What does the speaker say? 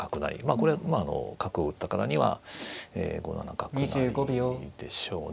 これは角を打ったからには５七角成でしょうね。